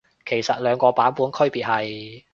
其實兩個版本區別係？